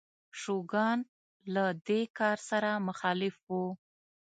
شوګان له دې کار سره مخالف و.